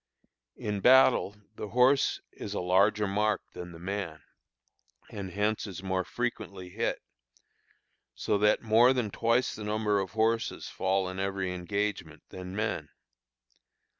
In battle the horse is a larger mark than the man, and hence is more frequently hit, so that more than twice the number of horses fall in every engagement than men.